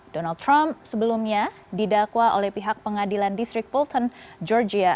donald trump sebelumnya didakwa oleh pihak pengadilan distrik bulton georgia